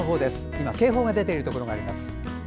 今、警報が出ているところがあります。